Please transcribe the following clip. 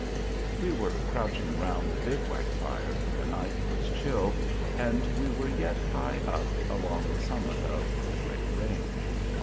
We were crouching round the bivouac fire, for the night was chill, and we were yet high up along the summit of the great range.